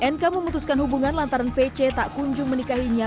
nk memutuskan hubungan lantaran vc tak kunjung menikahinya